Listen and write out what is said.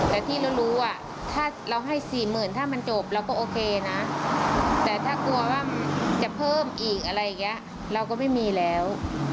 แต่ที่เรารู้ว่าถ้าเราให้๔๐๐๐ถ้ามันจบเราก็โอเคนะแต่ถ้ากลัวว่าจะเพิ่มอีกอะไรอย่างนี้เราก็ไม่มีแล้ว